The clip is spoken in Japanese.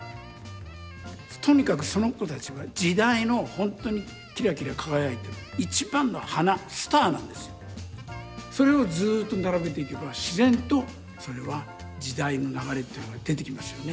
とにかくその人たちは時代のほんとにキラキラ輝いているそれをずっと並べていけば自然とそれは時代の流れっていうのが出てきますよね。